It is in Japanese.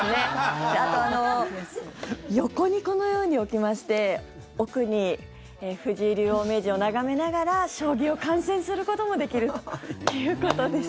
あと、横にこのように置きまして奥に藤井竜王・名人を眺めながら将棋を観戦することもできるということです。